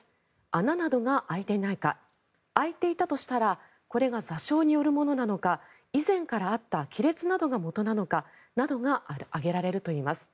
穴などが開いていないか開いていたとしたらこれが座礁によるものなのか以前からあった亀裂などがもとなのかなどが挙げられるといいます。